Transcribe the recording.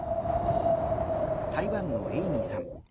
台湾のエイミーさん。